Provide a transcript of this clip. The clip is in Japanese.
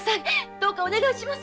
どうかお願いします！